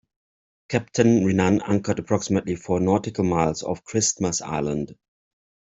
Captain Rinnan anchored approximately four nautical miles off Christmas Island.